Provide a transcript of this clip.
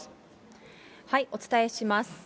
お伝えします。